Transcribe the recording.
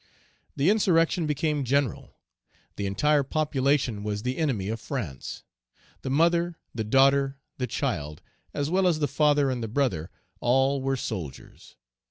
The insurrection became general. The entire population was the enemy of France. The mother, the daughter, the child, as well as the father and the brother, all were soldiers.